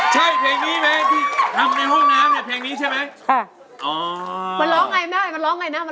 ใช่เพลงนี้แม่ที่ทำในห้องน้ำแพงนี้ใช่ไหม